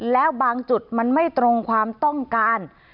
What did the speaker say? แล้วบางจุดมันไม่ตรงความต้องการ